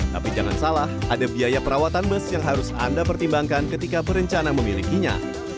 tapi jangan salah ada biaya perawatan bus yang harus anda pertimbangkan ketika berencana memilikinya